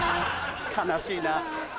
悲しいな。